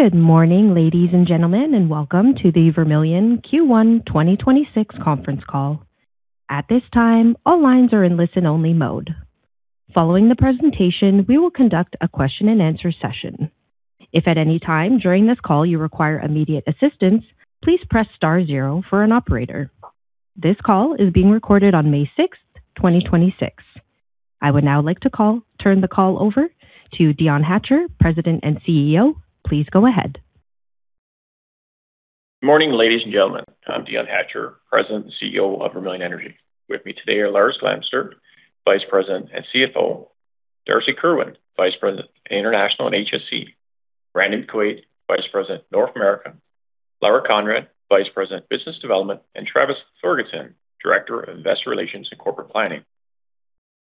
Good morning, ladies and gentlemen, and welcome to the Vermilion Q1 2026 conference call. At this time, all lines are in listen-only mode. Following the presentation, we will conduct a question and answer session. If at any time during this call you require immediate assistance, please press star zero for an operator. This call is being recorded on May 6th, 2026. I would now like to turn the call over to Dion Hatcher, President and CEO. Please go ahead. Morning, ladies and gentlemen. I'm Dion Hatcher, President and CEO of Vermilion Energy. With me today are Lars Glemser, Vice President and CFO, Darcy Kerwin, Vice President International & HSE, Randy McQuaig, Vice President North America, Lara Conrad, Vice President Business Development, and Travis Thorgeirson, Director of Investor Relations and Corporate Planning.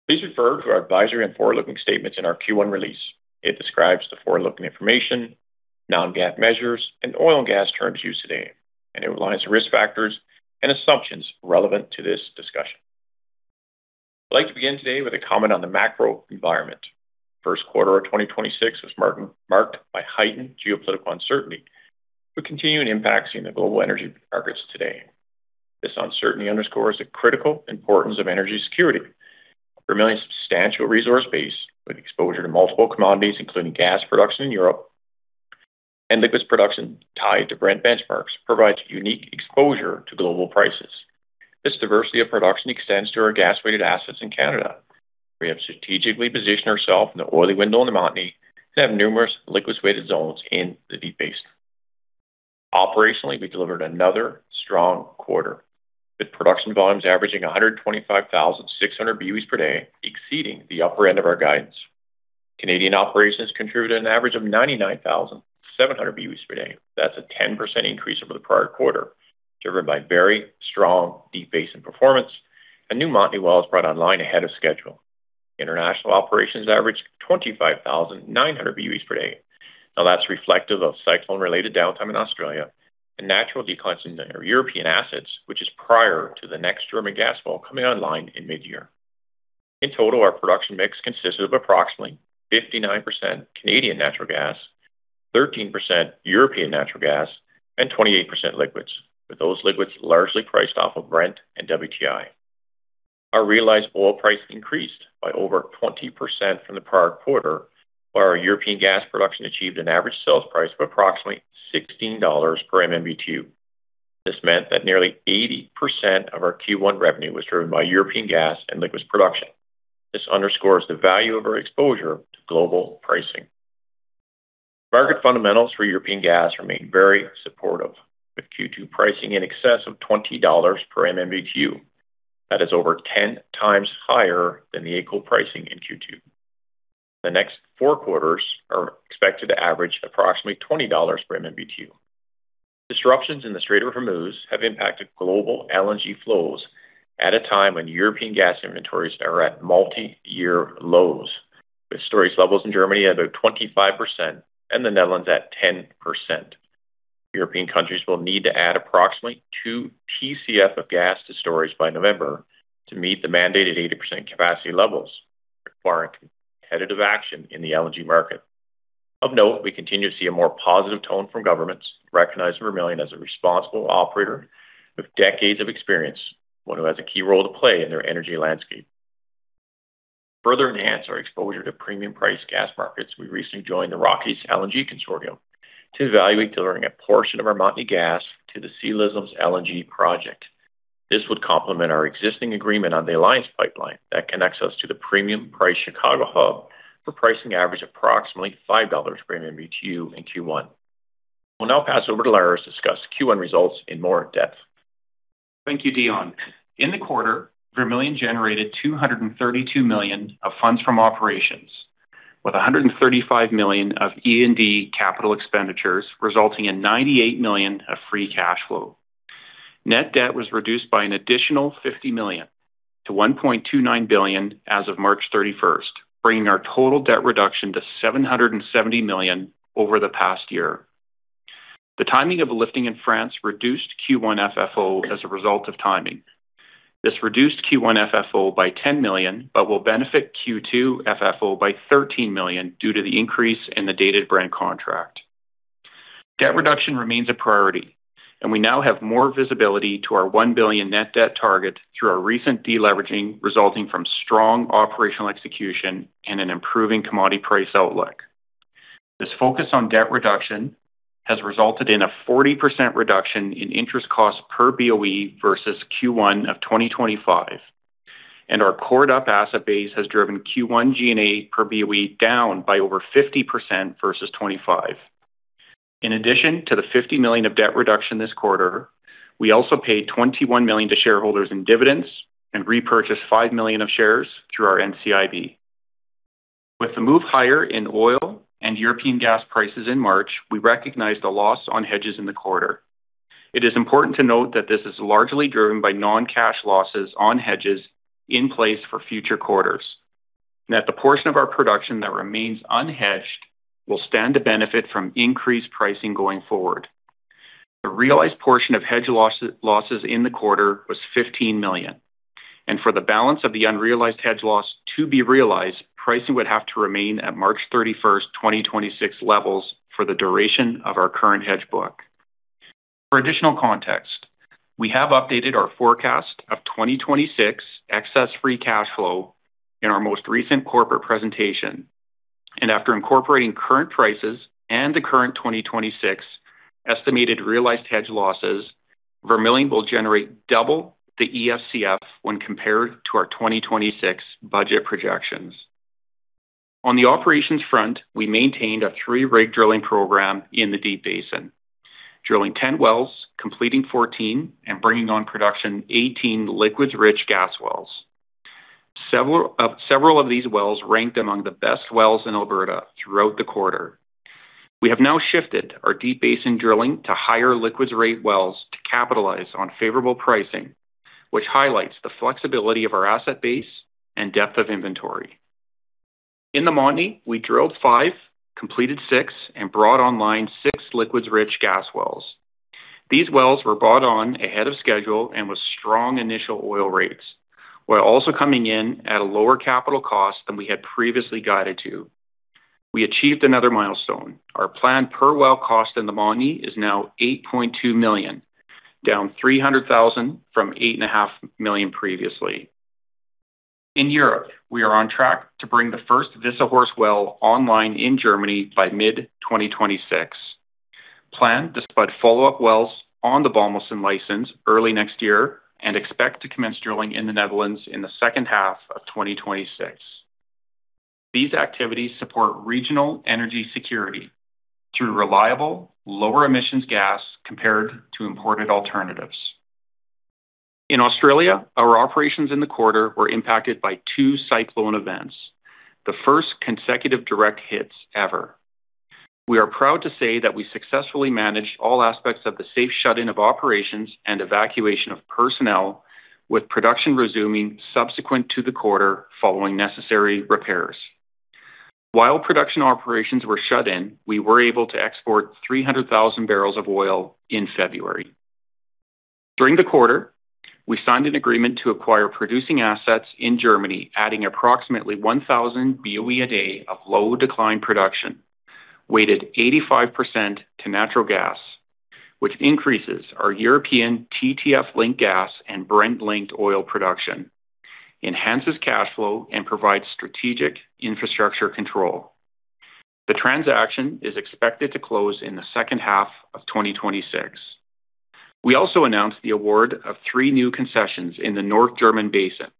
Please refer to our advisory and forward-looking statements in our Q1 release. It describes the forward-looking information, non-GAAP measures, and oil and gas terms used today, and it outlines the risk factors and assumptions relevant to this discussion. I'd like to begin today with a comment on the macro environment. First quarter of 2026 was marked by heightened geopolitical uncertainty, but continuing impacts in the global energy markets today. This uncertainty underscores the critical importance of energy security. Vermilion's substantial resource base with exposure to multiple commodities, including gas production in Europe and liquids production tied to Brent benchmarks, provides unique exposure to global prices. This diversity of production extends to our gas-related assets in Canada. We have strategically positioned ourselves in the oily window in the Montney and have numerous liquids-weighted zones in the Deep Basin. Operationally, we delivered another strong quarter, with production volumes averaging 125,600 boe/d, exceeding the upper end of our guidance. Canadian operations contributed an average of 99,700 boe/d. That's a 10% increase over the prior quarter, driven by very strong Deep Basin performance and new Montney wells brought online ahead of schedule. International operations averaged 25,900 boe/d. That's reflective of cyclone-related downtime in Australia and natural declines in our European assets, which is prior to the next German gas well coming online in mid-year. In total, our production mix consisted of approximately 59% Canadian natural gas, 13% European natural gas, and 28% liquids, with those liquids largely priced off of Brent and WTI. Our realized oil price increased by over 20% from the prior quarter, while our European gas production achieved an average sales price of approximately 16 dollars per MMbtu. This meant that nearly 80% of our Q1 revenue was driven by European gas and liquids production. This underscores the value of our exposure to global pricing. Market fundamentals for European gas remain very supportive, with Q2 pricing in excess of 20 dollars per MMbtu. That is over 10x higher than the equal pricing in Q2. The next four quarters are expected to average approximately 20 dollars per MMbtu. Disruptions in the Strait of Hormuz have impacted global LNG flows at a time when European gas inventories are at multi-year lows, with storage levels in Germany at about 25% and the Netherlands at 10%. European countries will need to add approximately 2 Tcf of gas to storage by November to meet the mandated 80% capacity levels, requiring competitive action in the LNG market. Of note, we continue to see a more positive tone from governments recognizing Vermilion as a responsible operator with decades of experience, one who has a key role to play in their energy landscape. To further enhance our exposure to premium priced gas markets, we recently joined the Rockies LNG consortium to evaluate delivering a portion of our Montney gas to the Ksi Lisims LNG project. This would complement our existing agreement on the Alliance pipeline that connects us to the premium price Chicago hub for pricing average approximately 5 dollars per MMbtu in Q1. We'll now pass over to Lars to discuss Q1 results in more depth. Thank you, Dion. In the quarter, Vermilion generated 232 million of funds from operations, with 135 million of E&D capital expenditures, resulting in 98 million of free cash flow. Net debt was reduced by an additional 50 million to 1.29 billion as of March 31st, bringing our total debt reduction to 770 million over the past year. The timing of lifting in France reduced Q1 FFO as a result of timing. This reduced Q1 FFO by 10 million but will benefit Q2 FFO by 13 million due to the increase in the dated Brent contract. Debt reduction remains a priority, and we now have more visibility to our 1 billion net debt target through our recent deleveraging resulting from strong operational execution and an improving commodity price outlook. This focus on debt reduction has resulted in a 40% reduction in interest costs per BOE versus Q1 of 2025, and our Corrib asset base has driven Q1 G&A per BOE down by over 50% versus 2025. In addition to the 50 million of debt reduction this quarter, we also paid 21 million to shareholders in dividends and repurchased 5 million of shares through our NCIB. With the move higher in oil and European gas prices in March, we recognized a loss on hedges in the quarter. It is important to note that this is largely driven by non-cash losses on hedges in place for future quarters, and that the portion of our production that remains unhedged will stand to benefit from increased pricing going forward. The realized portion of hedge losses in the quarter was 15 million. For the balance of the unrealized hedge loss to be realized, pricing would have to remain at March 31st, 2026 levels for the duration of our current hedge book. For additional context, we have updated our forecast of 2026 excess free cash flow in our most recent corporate presentation. After incorporating current prices and the current 2026 estimated realized hedge losses, Vermilion will generate double the EFCF when compared to our 2026 budget projections. On the operations front, we maintained a three-rig drilling program in the Deep Basin, drilling 10 wells, completing 14, and bringing on production 18 liquids-rich gas wells. Several of these wells ranked among the best wells in Alberta throughout the quarter. We have now shifted our Deep Basin drilling to higher liquids rate wells to capitalize on favorable pricing, which highlights the flexibility of our asset base and depth of inventory. In the Montney, we drilled five, completed six, and brought online six liquids-rich gas wells. These wells were brought on ahead of schedule and with strong initial oil rates, while also coming in at a lower capital cost than we had previously guided to. We achieved another milestone. Our planned per-well cost in the Montney is now 8.2 million, down 300,000 from 8.5 million previously. In Europe, we are on track to bring the first Wisselshorst well online in Germany by mid-2026. Plan to spud follow-up wells on the Bommelsen license early next year and expect to commence drilling in the Netherlands in the second half of 2026. These activities support regional energy security through reliable, lower-emissions gas compared to imported alternatives. In Australia, our operations in the quarter were impacted by two cyclone events, the first consecutive direct hits ever. We are proud to say that we successfully managed all aspects of the safe shut-in of operations and evacuation of personnel, with production resuming subsequent to the quarter following necessary repairs. While production operations were shut in, we were able to export 300,000 bbl of oil in February. During the quarter, we signed an agreement to acquire producing assets in Germany, adding approximately 1,000 boe/d of low decline production, weighted 85% to natural gas, which increases our European TTF-linked gas and Brent-linked oil production, enhances cash flow, and provides strategic infrastructure control. The transaction is expected to close in the second half of 2026. We also announced the award of three new concessions in the North German Basin,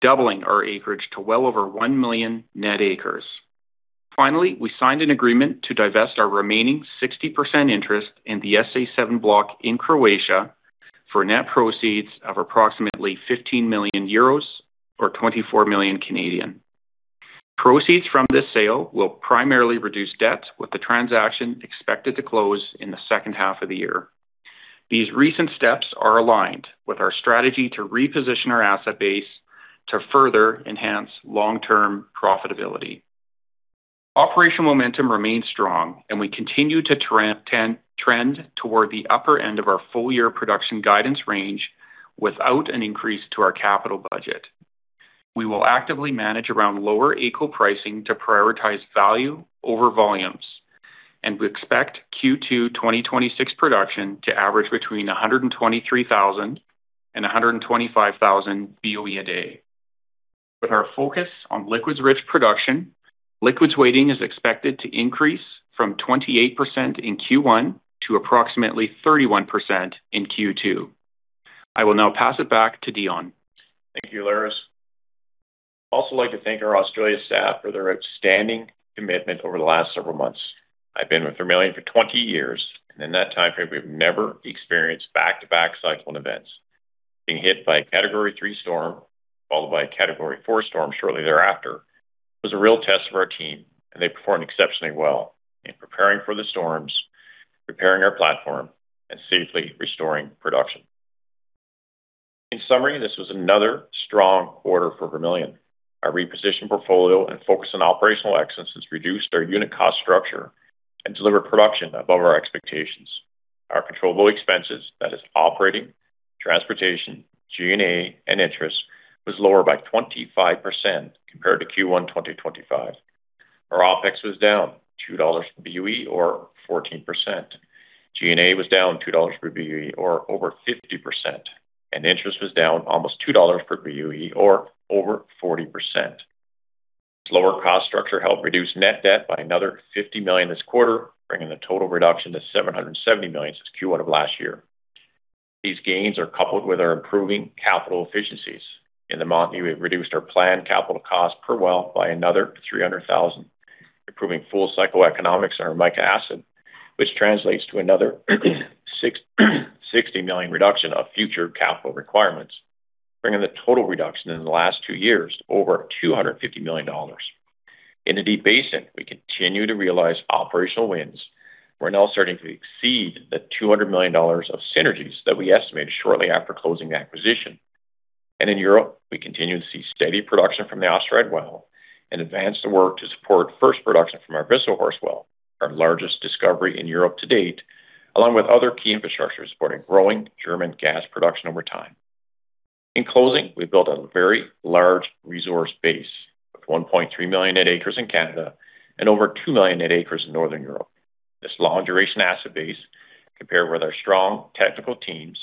doubling our acreage to well over 1 million net acres. Finally, we signed an agreement to divest our remaining 60% interest in the SA-07 block in Croatia for net proceeds of approximately 15 million euros or 24 million. Proceeds from this sale will primarily reduce debt, with the transaction expected to close in the second half of the year. These recent steps are aligned with our strategy to reposition our asset base to further enhance long-term profitability. Operational momentum remains strong, and we continue to trend toward the upper end of our full-year production guidance range without an increase to our capital budget. We will actively manage around lower AECO pricing to prioritize value over volumes, and we expect Q2 2026 production to average between 123,000 boe/d and 125,000 boe/d. With our focus on liquids-rich production, liquids weighting is expected to increase from 28% in Q1 to approximately 31% in Q2. I will now pass it back to Dion. Thank you, Lars. Also like to thank our Australia staff for their outstanding commitment over the last several months. I've been with Vermilion for 20 years, and in that time frame, we've never experienced back-to-back cyclone events. Being hit by a Category 3 storm followed by a Category 4 storm shortly thereafter was a real test for our team, and they performed exceptionally well in preparing for the storms, preparing our platform, and safely restoring production. In summary, this was another strong quarter for Vermilion. Our repositioned portfolio and focus on operational excellence reduced our unit cost structure and delivered production above our expectations. Our controllable expenses, that is operating, transportation, G&A, and interest, was lower by 25% compared to Q1 2025. Our OpEx was down 2 dollars per BOE or 14%. G&A was down 2 dollars per BOE or over 50%, and interest was down almost 2 dollars per BOE or over 40%. This lower cost structure helped reduce net debt by another 50 million this quarter, bringing the total reduction to 770 million since Q1 of last year. These gains are coupled with our improving capital efficiencies. In the Montney, we've reduced our planned capital cost per well by another 300,000, improving full-cycle economics on our Mica asset, which translates to another 60 million reduction of future capital requirements, bringing the total reduction in the last two years to over 250 million dollars. In the Deep Basin, we continue to realize operational wins. We're now starting to exceed the 200 million dollars of synergies that we estimated shortly after closing the acquisition. In Europe, we continue to see steady production from the Osterheide Well and advance the work to support first production from our Wisselshorst well, our largest discovery in Europe to date, along with other key infrastructure supporting growing German gas production over time. In closing, we built a very large resource base of 1.3 million net acres in Canada and over 2 million net acres in Northern Europe. This long-duration asset base, compared with our strong technical teams,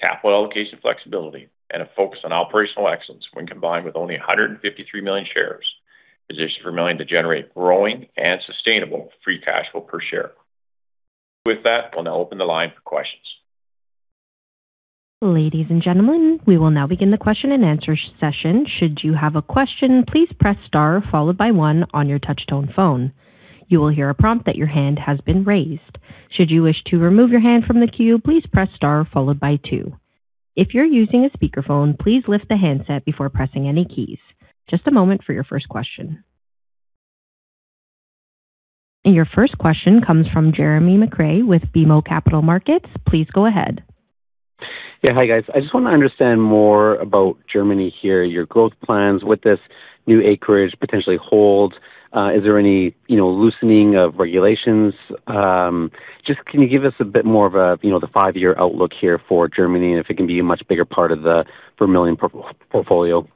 capital allocation flexibility, and a focus on operational excellence when combined with only 153 million shares, positions Vermilion to generate growing and sustainable free cash flow per share. With that, we'll now open the line for questions. Ladies and gentlemen, we will now begin the question and answer session. Should you have a question, please press star, followed by one on your touch tone phone. You will hear a prompt that your hand has been raised. Should you wish to remove your hand from the queue, please press star, followed by two. If you're using a speakerphone, please lift the handset before pressing any keys. Just a moment for your first question. Your first question comes from Jeremy McCrea with BMO Capital Markets. Please go ahead. Yeah. Hi, guys. I just wanna understand more about Germany here, your growth plans with this new acreage potentially hold. Is there any, you know, loosening of regulations? Just, can you give us a bit more of a, you know, the five-year outlook here for Germany and if it can be a much bigger part of the Vermilion portfolio?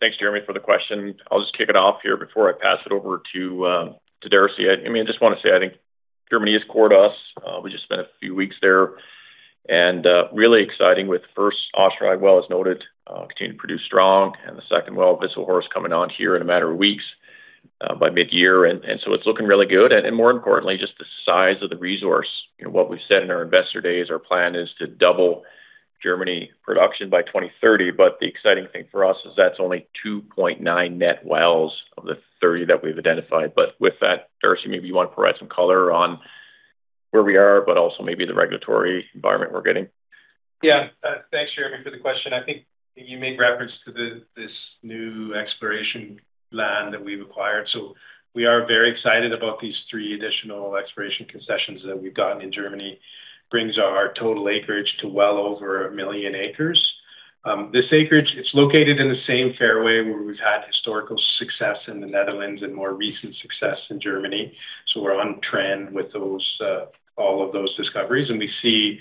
Thanks, Jeremy, for the question. I'll just kick it off here before I pass it over to Darcy. I mean, I just want to say I think Germany is core to us. We just spent a few weeks there, and really exciting with first Osterheide well, as noted, continuing to produce strong, and the second well, Wisselshorst, coming on here in a matter of weeks by mid-year, and it's looking really good. More importantly, just the size of the resource. You know, what we've said in our investor days, our plan is to double Germany production by 2030, the exciting thing for us is that's only 2.9 net wells of the 30 that we've identified. With that, Darcy, maybe you want to provide some color on where we are, but also maybe the regulatory environment we're getting. Yeah. Thanks, Jeremy, for the question. I think you made reference to the, this new exploration land that we've acquired. We are very excited about these three additional exploration concessions that we've gotten in Germany. Brings our total acreage to well over 1 million acres. This acreage, it's located in the same fairway where we've had historical success in the Netherlands and more recent success in Germany, we're on trend with those, all of those discoveries. We see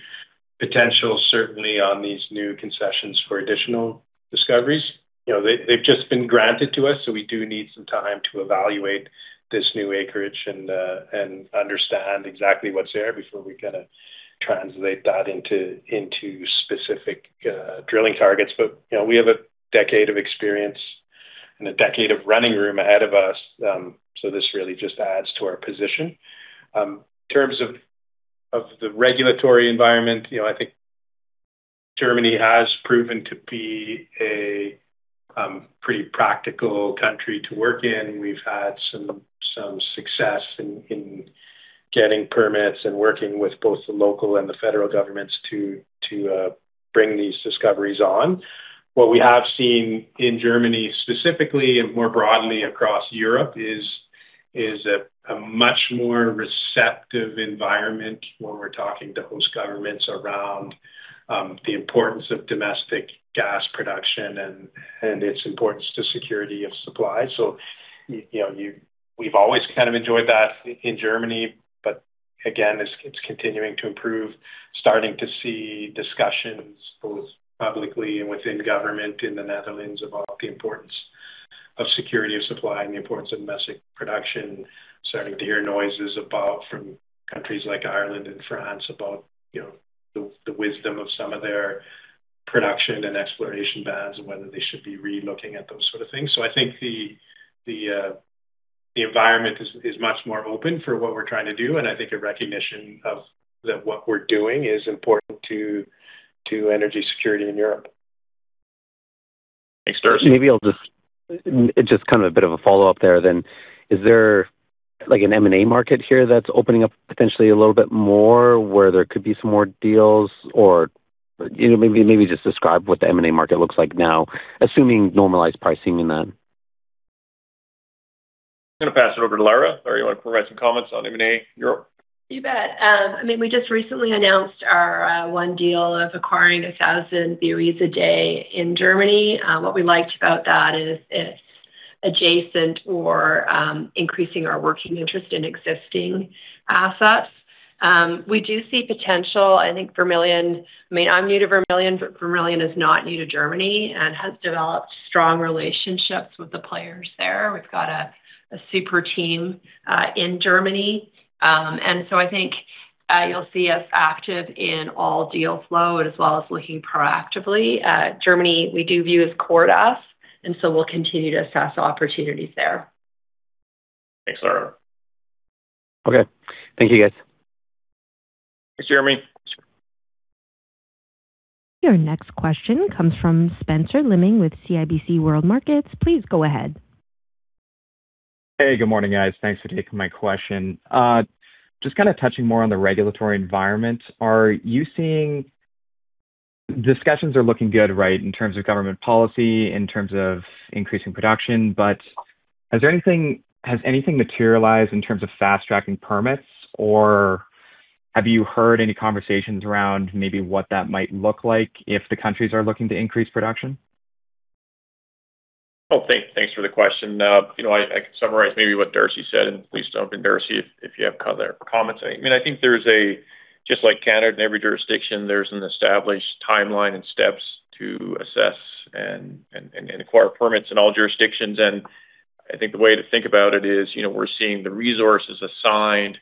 potential certainly on these new concessions for additional discoveries. You know, they've just been granted to us, we do need some time to evaluate this new acreage and understand exactly what's there before we kinda translate that into specific drilling targets. You know, we have a decade of experience and a decade of running room ahead of us, so this really just adds to our position. In terms of the regulatory environment, you know, I think Germany has proven to be a pretty practical country to work in. We've had some success in getting permits and working with both the local and the federal governments to bring these discoveries on. What we have seen in Germany specifically and more broadly across Europe is a much more receptive environment when we're talking to host governments around the importance of domestic gas production and its importance to security of supply. You know, we've always kind of enjoyed that in Germany, but again, it's continuing to improve. Starting to see discussions both publicly and within government in the Netherlands about the importance of security of supply and the importance of domestic production. Starting to hear noises about, from countries like Ireland and France about, you know, the wisdom of some of their production and exploration bans and whether they should be re-looking at those sort of things. I think the environment is much more open for what we're trying to do, and I think a recognition of that what we're doing is important to energy security in Europe. Thanks, Darcy. Maybe I'll just kind of a bit of a follow-up there then. Is there, like, an M&A market here that's opening up potentially a little bit more where there could be some more deals? You know, maybe just describe what the M&A market looks like now, assuming normalized pricing in that. I'm gonna pass it over to Lara. Lara, you wanna provide some comments on M&A Europe? You bet. I mean, we just recently announced our one deal of acquiring 1,000 boe/d in Germany. What we liked about that is it's adjacent or increasing our working interest in existing assets. We do see potential. I think Vermilion I mean, I'm new to Vermilion, but Vermilion is not new to Germany and has developed strong relationships with the players there. We've got a super team in Germany. So I think you'll see us active in all deal flow as well as looking proactively. Germany, we do view as core to us, so we'll continue to assess opportunities there. Thanks, Lara. Okay. Thank you, guys. Thanks, Jeremy. Your next question comes from Spencer Lehman with CIBC World Markets. Please go ahead. Hey. Good morning, guys. Thanks for taking my question. Just kinda touching more on the regulatory environment. Are you seeing, discussions are looking good, right, in terms of government policy, in terms of increasing production? Has anything materialized in terms of fast-tracking permits, or have you heard any conversations around maybe what that might look like if the countries are looking to increase production? Thanks for the question. You know, I can summarize maybe what Darcy said, and please jump in, Darcy, if you have other comments. I mean, I think there's Just like Canada and every jurisdiction, there's an established timeline and steps to assess and acquire permits in all jurisdictions. I think the way to think about it is, you know, we're seeing the resources assigned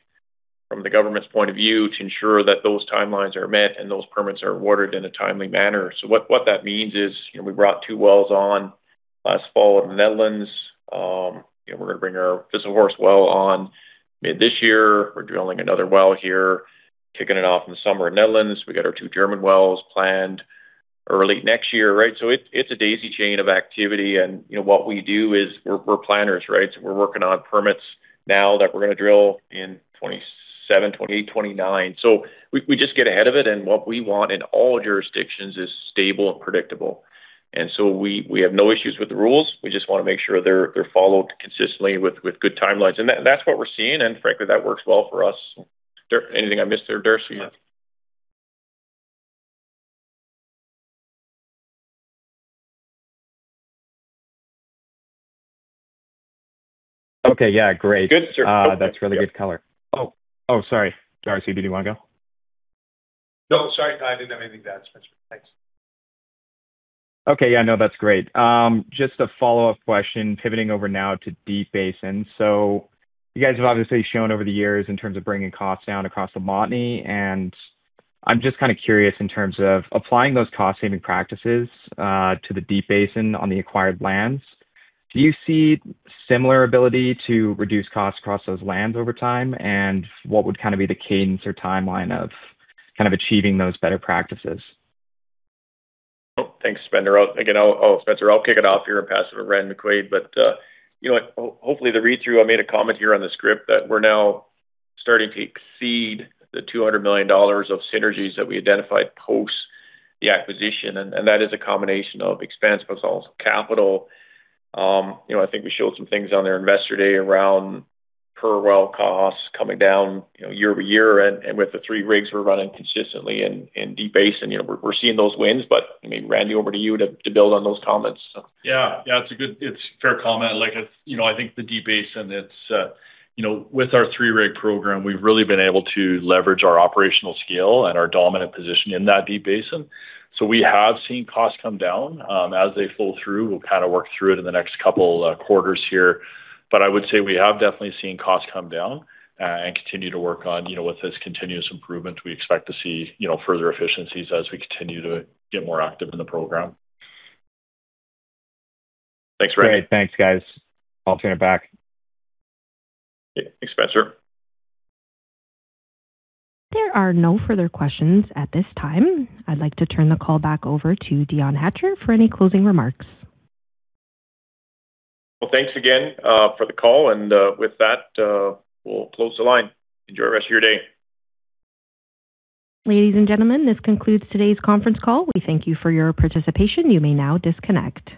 from the government's point of view to ensure that those timelines are met and those permits are awarded in a timely manner. What that means is, you know, we brought two wells on last fall in the Netherlands. We're going to bring our Wisselshorst well on mid this year. We're drilling another well here, kicking it off in the summer in Netherlands. We got our two German wells planned early next year, right? It's a daisy chain of activity and, you know, what we do is we're planners, right? We're working on permits now that we're gonna drill in 2027, 2028, 2029. We just get ahead of it, and what we want in all jurisdictions is stable and predictable. We have no issues with the rules. We just wanna make sure they're followed consistently with good timelines. That's what we're seeing, and frankly, that works well for us. Anything I missed there, Darcy? Okay. Yeah, great. Good, sir. That's really good color. Oh, sorry. Darcy, did you wanna go? No, sorry. No, I didn't have anything to add, Spencer. Thanks. Okay. Yeah, no, that's great. Just a follow-up question pivoting over now to Deep Basin. You guys have obviously shown over the years in terms of bringing costs down across the Montney, and I'm just kinda curious in terms of applying those cost-saving practices to the Deep Basin on the acquired lands. Do you see similar ability to reduce costs across those lands over time, and what would kind of be the cadence or timeline of kind of achieving those better practices? Thanks, Spencer. Spencer, I'll kick it off here and pass it to Randy McQuaig, you know what? Hopefully, the read-through, I made a comment here on the script that we're now starting to exceed the 200 million dollars of synergies that we identified post the acquisition, and that is a combination of expense plus also capital. You know, I think we showed some things on there Investor Day around per well costs coming down, you know, year-over-year. And with the three rigs we're running consistently in Deep Basin, you know, we're seeing those wins. I mean, Randy, over to you to build on those comments. Yeah. Yeah. It's fair comment. You know, I think the Deep Basin, you know, with our three-rig program, we've really been able to leverage our operational scale and our dominant position in that Deep Basin. We have seen costs come down as they flow through. We'll kinda work through it in the next couple quarters here. I would say we have definitely seen costs come down and continue to work on, you know, with this continuous improvement, we expect to see, you know, further efficiencies as we continue to get more active in the program. Thanks, Randy. Great. Thanks, guys. I'll turn it back. Yeah. Thanks, Spencer. There are no further questions at this time. I'd like to turn the call back over to Dion Hatcher for any closing remarks. Well, thanks again, for the call, and, with that, we'll close the line. Enjoy the rest of your day. Ladies and gentlemen, this concludes today's conference call. We thank you for your participation. You may now disconnect.